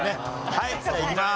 はいじゃあいきます。